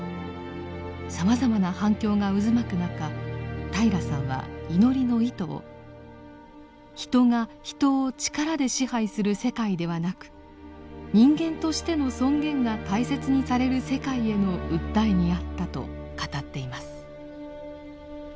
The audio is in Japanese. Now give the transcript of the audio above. さまざまな反響が渦巻く中平良さんは祈りの意図を「人が人を力で支配する世界ではなく人間としての尊厳が大切にされる世界への訴えにあった」と語っています。